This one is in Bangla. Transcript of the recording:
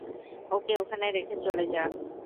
ওকে ওখানে রেখে চলে যা।